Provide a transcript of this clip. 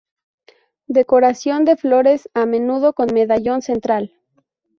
Decoración de flores, a menudo con medallón central.